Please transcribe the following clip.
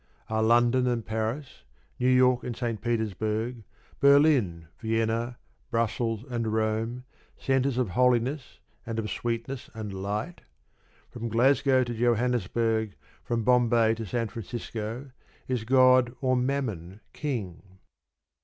Are London and Paris, New York and St. Petersburg, Berlin, Vienna, Brussels, and Rome centres of holiness and of sweetness and light? From Glasgow to Johannesburg, from Bombay to San Francisco is God or Mammon king?